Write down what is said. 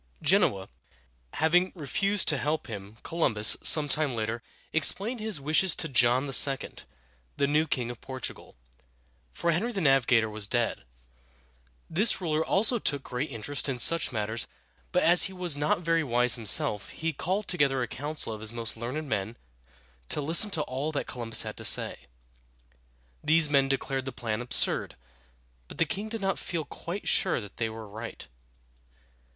Genoa having refused to help him, Columbus, some time later, explained his wishes to John II., the new king of Portugal, for Henry the Navigator was dead. This ruler also took great interest in such matters, but as he was not very wise himself, he called together a council of his most learned men to listen to all that Columbus had to say. These men declared the plan absurd; but the king did not feel quite sure that they were right.